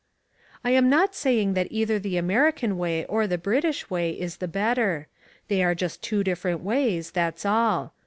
I am not saying that either the American way or the British way is the better. They are just two different ways, that's all.